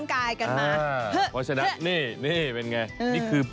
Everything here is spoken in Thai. สับหมู